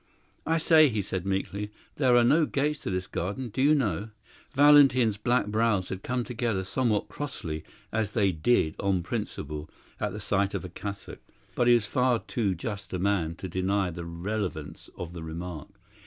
"I say," he said meekly, "there are no gates to this garden, do you know." Valentin's black brows had come together somewhat crossly, as they did on principle at the sight of the cassock. But he was far too just a man to deny the relevance of the remark.